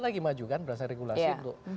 lagi maju kan berdasarkan regulasi untuk